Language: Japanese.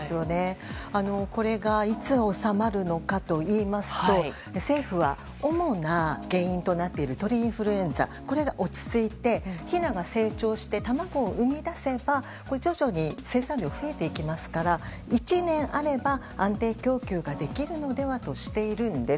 これがいつ収まるのかといいますと政府は、主な原因となっている鳥インフルエンザこれが落ち着いてひなが成長して卵を生み出せば徐々に生産量は増えていきますから１年あれば安定供給ができるのではとしているんです。